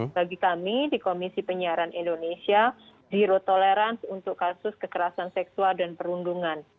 bagi kami di komisi penyiaran indonesia zero tolerance untuk kasus kekerasan seksual dan perundungan